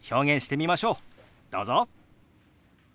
どうぞ！